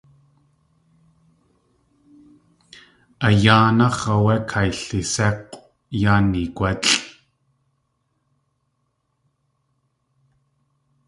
A yáanáx̲ áwé kaylisék̲ʼw yá néegwálʼ.